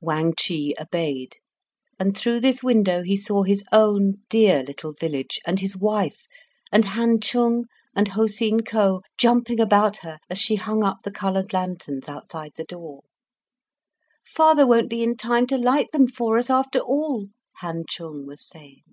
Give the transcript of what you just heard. Wang Chih obeyed, and through this window he saw his own dear little village, and his wife, and Han Chung and Ho Seen Ko jumping about her as she hung up the coloured lanterns outside the door. "Father won't be in time to light them for us, after all," Han Chung was saying.